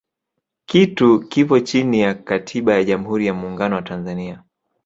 kitu kipo chini ya katiba ya jamhuri ya muungano wa tanzania